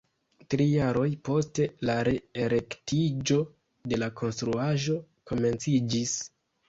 Tri jaroj poste, la re-erektiĝo de la konstruaĵo komenciĝis.